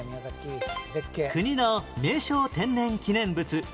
国の名勝・天然記念物